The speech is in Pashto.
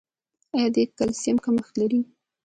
ایا د کلسیم کمښت لرئ؟